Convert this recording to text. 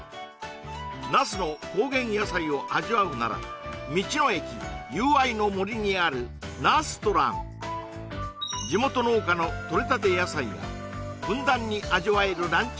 那須の高原野菜を味わうなら道の駅友愛の森にあるなすとらん地元農家のとれたて野菜がふんだんに味わえるランチ